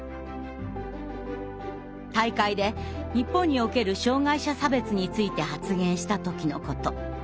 大会で日本における障害者差別について発言したときのこと。